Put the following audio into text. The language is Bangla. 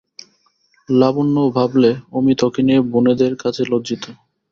লাবণ্যও ভাবলে, অমিত ওকে নিয়ে বোনেদের কাছে লজ্জিত।